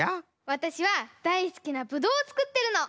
わたしはだいすきなブドウをつくってるの！